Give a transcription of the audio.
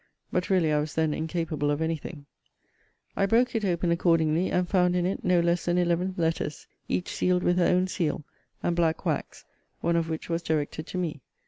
But really I was then incapable of any thing. * See Vol. VIII. Letter LVII. I broke it open accordingly, and found in it no less than eleven letters, each sealed with her own seal, and black wax, one of which was directed to me.